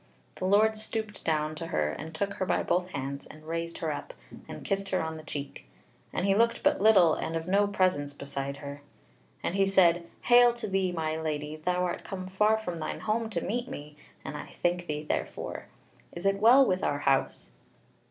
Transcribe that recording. The Lord stooped down to her and took her by both hands, and raised her up, and kissed her on the cheek (and he looked but little and of no presence beside her:) and he said: "Hail to thee, my Lady; thou art come far from thine home to meet me, and I thank thee therefor. Is it well with our House?"